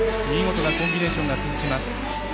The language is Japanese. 見事なコンビネーションが続きます。